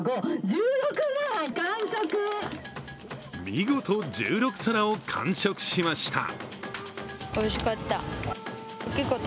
見事、１６皿を完食しました。